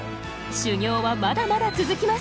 修行はまだまだ続きます。